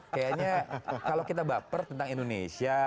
kayaknya kalau kita baper tentang indonesia